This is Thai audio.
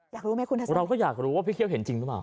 อยากรู้ไหมคุณทัศนเราก็อยากรู้ว่าพี่เคี่ยวเห็นจริงหรือเปล่า